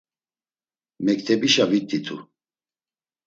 Mektebişa vit̆itu.